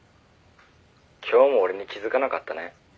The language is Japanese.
「今日も俺に気づかなかったね」